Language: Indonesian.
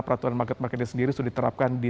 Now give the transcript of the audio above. peraturan market marketnya sendiri sudah diterapkan di